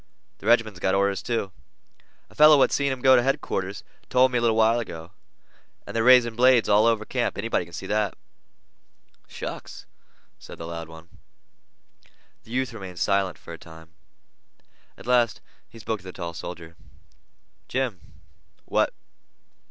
The regiment's got orders, too. A feller what seen 'em go to headquarters told me a little while ago. And they're raising blazes all over camp—anybody can see that." "Shucks!" said the loud one. The youth remained silent for a time. At last he spoke to the tall soldier. "Jim!" "What?"